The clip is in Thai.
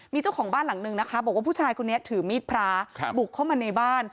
มีเจ้าของบ้านหลังนึงนะคะบอกว่าผู้ชายคนนี้ถือมีดพระบุกเข้ามาในบ้าน